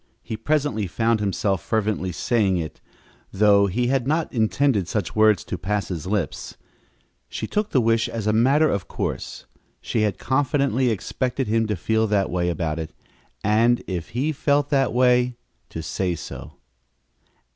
He presently found himself fervently saying it, though he had not intended such words to pass his lips. She took the wish as a matter of course. She had confidently expected him to feel that way about it, and, if he felt that way, to say so.